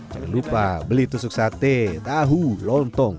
jangan lupa beli tusuk sate tahu lontong